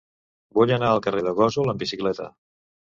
Vull anar al carrer de Gósol amb bicicleta.